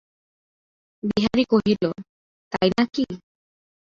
বিহারী কহিল, তাই না কি।